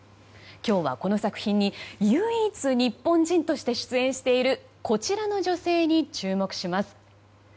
今日はこの作品に唯一日本人として出演しているこちらの女性に注目します。